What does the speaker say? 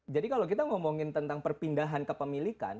jadi kalau kita ngomongin tentang perpindahan kepemilikan